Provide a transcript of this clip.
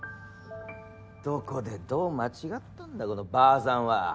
どこでどう間違ったんだこの婆さんは。